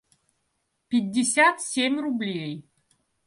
пятьдесят семь рублей